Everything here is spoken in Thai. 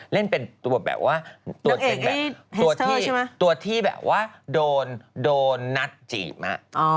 เล่นเป็นตัวแบบว่าตัวที่แบบว่าโดนโดนนัทจีบนะ